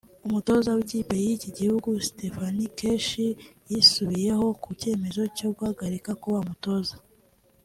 umutoza w’ikipe y’iki gihugu Stephen Keshi yisubiyeho ku cyemezo cyo guhagarika kuba umutoza